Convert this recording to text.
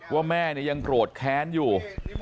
ว่าแม่ยังโกรธแค้นอยู่